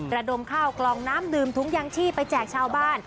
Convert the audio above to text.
ระดมข้าวกล่องน้ำดื่มถุงยางชีพไปแจกชาวบ้าน